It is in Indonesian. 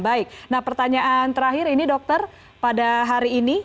baik nah pertanyaan terakhir ini dokter pada hari ini